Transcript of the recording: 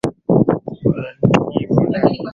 lakini hivi sasa ukiangalia inaporomoka katika kila nyadhi